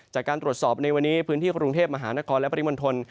จากการตรวจสอบในวันนี้พื้นที่กรุงเทพมหานครและปริมณฑล